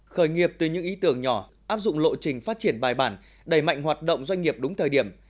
khởi nghiệp từ những ý tưởng nhỏ áp dụng lộ trình phát triển bài bản đầy mạnh hoạt động doanh nghiệp đúng thời điểm